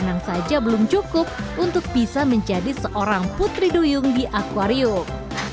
yang saja belum cukup untuk bisa menjadi seorang putri duyung di akwarium